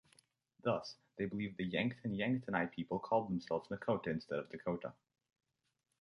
Thus, they believed the Yankton-Yanktonai people called themselves Nakota instead of Dakota.